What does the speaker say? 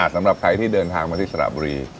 สำหรับใครที่เดินทางมาที่สระบุรี